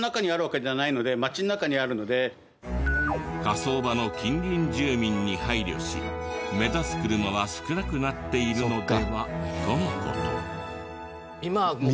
火葬場の近隣住民に配慮し目立つ車は少なくなっているのではとの事。